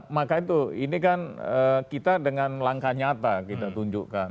maka itu ini kan kita dengan langkah nyata kita tunjukkan